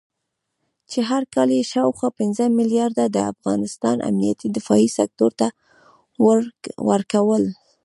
چې هر کال یې شاوخوا پنځه مليارده د افغانستان امنيتي دفاعي سکتور ته ورکول